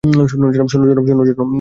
শোনো, জনাব।